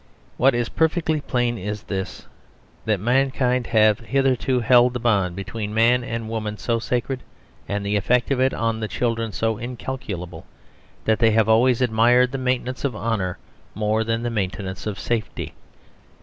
What is perfectly plain is this: that mankind have hitherto held the bond between man and woman so sacred, and the effect of it on the children so incalculable, that they have always admired the maintenance of honour more than the maintenance of safety.